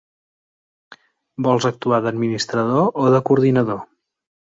Vols actuar d'administrador o de coordinador?